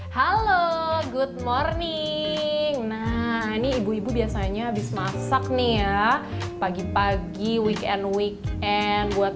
halo good morning nah ini ibu ibu biasanya habis masak nih ya pagi pagi weekend weekend buat